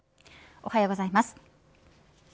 おはようございます。